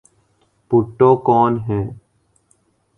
بھٹو کون ہیں؟